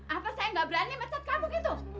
apa saya gak berani mecat kamu gitu